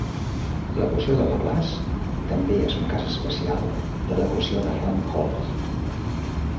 L'equació de Laplace també és un cas especial de l'equació de Helmholtz.